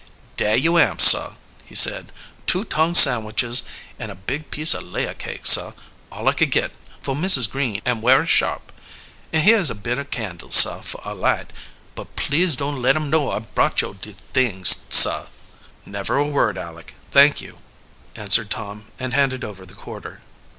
"Dare you am, sah," he said, "two tongue sandwiches and a big piece of layer cake, sah, all I could git, fo' Mrs. Green am werry sharp. And here is a bit of candle, sah, for a light. But please don't let 'em know I brought yo' de things, sah." "Never a word, Aleck, thank you," answered Tom, and handed over the quarter.